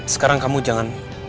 sekarang kamu jangan